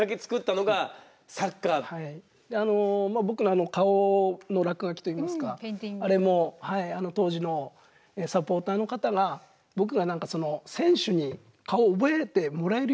僕のあの顔の落書きといいますかあれも当時のサポーターの方が僕が何か選手に顔を覚えてもらえるようにと。